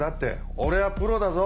俺はプロだぞ。